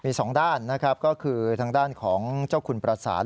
มีสองด้านนะครับก็คือทางด้านของเจ้าคุณประสาน